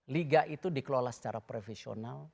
liga itu dikelola secara profesional